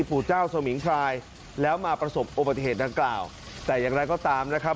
ปู่เจ้าสมิงพรายแล้วมาประสบอุบัติเหตุดังกล่าวแต่อย่างไรก็ตามนะครับ